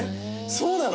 そうなの。